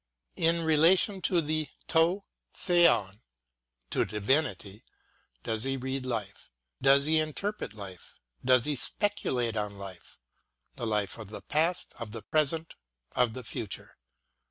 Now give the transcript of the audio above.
In relation to the to Oetov, to divinity does he read life, does he interpret life, does he speculate on life — the life of the past, of the present, of the future.